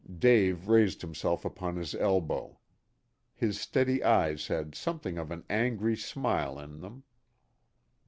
Dave raised himself upon his elbow. His steady eyes had something of an angry smile in them.